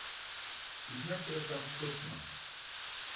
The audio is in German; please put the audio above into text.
Ich möchte es ganz kurz machen.